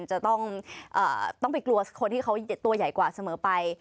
จะต้องไปกลัวคนที่เขาตัวใหญ่กว่าเสมอไป